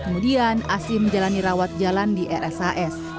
kemudian asih menjalani rawat jalan di rshs bandung